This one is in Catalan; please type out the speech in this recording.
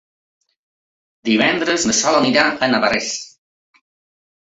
Divendres na Sol anirà a Navarrés.